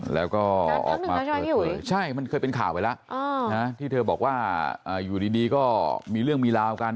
แล้วก็ออกมาเปิดเผยใช่มันเคยเป็นข่าวไปแล้วที่เธอบอกว่าอยู่ดีก็มีเรื่องมีราวกัน